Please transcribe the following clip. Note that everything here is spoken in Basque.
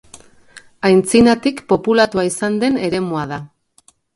Aintzinatik populatua izan den eremua da.